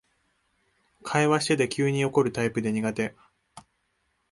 会話してて急に怒るタイプで苦手